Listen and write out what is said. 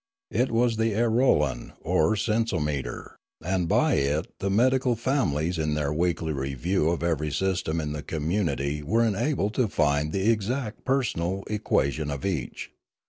It was the airolan or senso meter, and by it the medical families in their weekly review of every system in the community were enabled to find the exact personal equation of each.